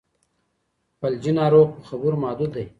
فلجي ناروغ په خبرو محدود دی.